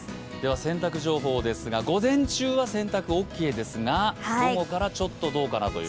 洗濯情報ですが、午前中は洗濯オーケーですが午後からちょっとどうかなという。